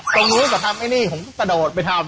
ตรงนี้ก็ทำอันนี้ผมก็กระโดดไปทำ